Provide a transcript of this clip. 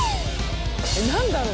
何だろう？